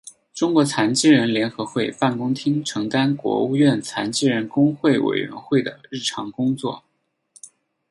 中国残疾人联合会办公厅承担国务院残疾人工作委员会的日常工作。